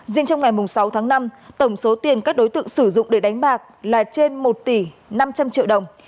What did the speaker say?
riêng trong ngày sáu tháng năm tổng số tiền các đối tượng sử dụng để đánh bạc là trên một tỷ năm trăm linh triệu đồng